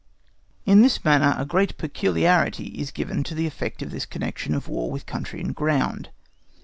In this manner a great peculiarity is given to the effect of this connection of War with country and ground.